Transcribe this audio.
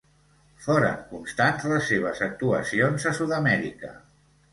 Foren constants les seves actuacions a Sud-amèrica.